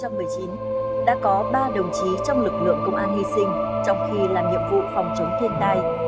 năm hai nghìn một mươi chín đã có ba đồng chí trong lực lượng công an hy sinh trong khi làm nhiệm vụ phòng chống thiên tai